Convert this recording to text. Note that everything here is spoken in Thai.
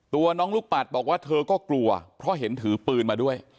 ตัวน้องลูกปัดบอกว่าเธอก็กลัวเพราะเห็นถือปืนมาด้วย